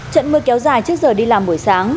trận mưa kéo dài trước giờ đi làm buổi sáng